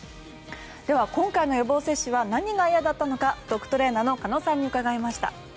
では、今回の予防接種は何が嫌だったのかドッグトレーナーの鹿野さんに伺いました。